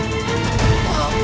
aku tidak tahu